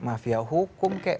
mafia hukum kek